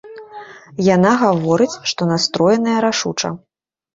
Яна гаворыць, што настроеная рашуча.